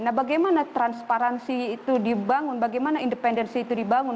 nah bagaimana transparansi itu dibangun bagaimana independensi itu dibangun